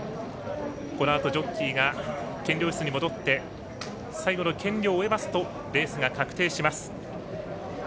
このあと、ジョッキーが検量室に戻って最後の検量を終えますとレースが確定します。